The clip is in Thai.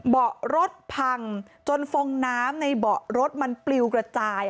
เบาะรถพังจนฟองน้ำในเบาะรถมันปลิวกระจาย